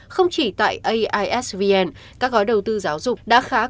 không chỉ tại aisvn các gói đầu tư giáo dục đã khá quan trọng